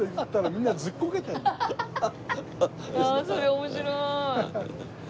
ああそれ面白い。